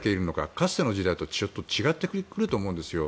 かつての時代と、ちょっと違ってくると思うんですよ。